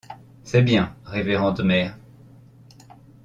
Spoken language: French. C’est bien, révérende mère.